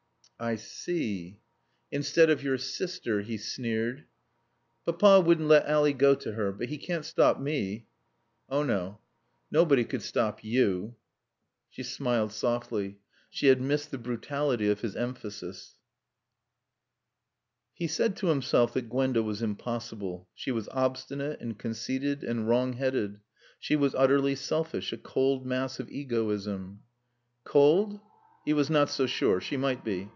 "I see. Instead of your sister," he sneered. "Papa wouldn't let Ally go to her. But he can't stop me." "Oh, no. Nobody could stop you." She smiled softly. She had missed the brutality of his emphasis. He said to himself that Gwenda was impossible. She was obstinate and conceited and wrong headed. She was utterly selfish, a cold mass of egoism. "Cold?" He was not so sure. She might be.